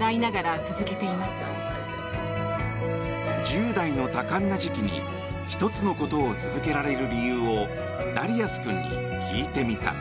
１０代の多感な時期に１つのことを続けられる理由をダリアス君に聞いてみた。